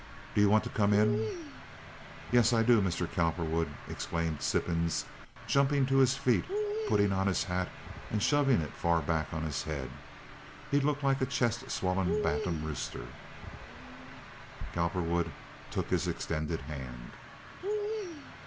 "Do you want to come in?" "Yes, I do, Mr. Cowperwood!" exclaimed Sippens, jumping to his feet, putting on his hat and shoving it far back on his head. He looked like a chest swollen bantam rooster. Cowperwood took his extended hand.